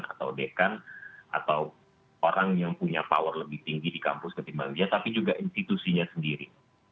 atau dekan atau orang yang punya power lebih tinggi di kampus ketimbang dia tapi juga institusinya sendiri